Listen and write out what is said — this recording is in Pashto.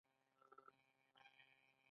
نباتات کاربن ډای اکسایډ جذبوي